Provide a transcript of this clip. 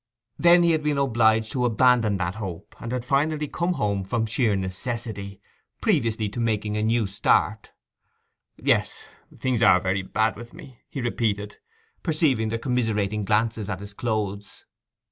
Then he had been obliged to abandon that hope, and had finally come home from sheer necessity—previously to making a new start. 'Yes, things are very bad with me,' he repeated, perceiving their commiserating glances at his clothes.